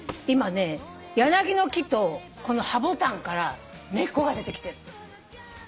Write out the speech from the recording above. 今ね柳の木とこのハボタンから根っこが出てきてる。